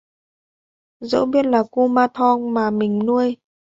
Dẫu biết đó là kumanthong và mình nuôi